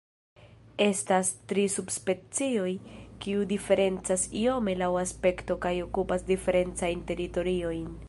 Estas tri subspecioj, kiu diferencas iome laŭ aspekto kaj okupas diferencajn teritoriojn.